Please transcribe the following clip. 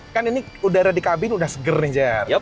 kan ini udara di kabin udah seger nih